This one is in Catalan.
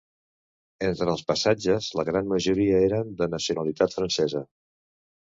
Entre els passatges, la gran majoria eren de nacionalitat francesa.